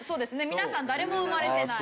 皆さん誰も生まれてない。